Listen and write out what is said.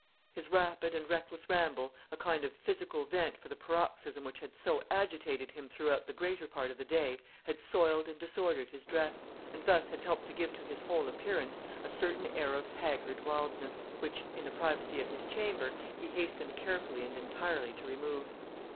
His rapid and reckless ramble, a kind of physical vent for the paroxysm which had so agitated him throughout the greater part of the day, had soiled and disordered his dress, and thus had helped to give to his whole appearance a certain air of haggard wildness, which, in the privacy of his chamber, he hastened carefully and entirely to remove.